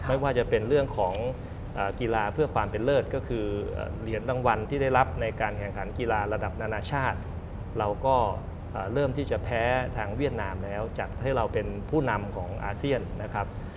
ไม่ว่าจะเป็นเรื่องของกีฬาเพื่อความเป็นเลิศก็คือเหรียญรางวัลที่ได้รับในการแข่งขันกีฬาระดับนานาชาติเราก็เริ่มที่จะแพ้ทางเวียดนามแล้วจัดให้เราเป็นผู้นำของอาเซียนนะครับ